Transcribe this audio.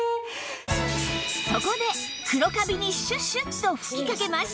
そこで黒カビにシュッシュッと吹きかけます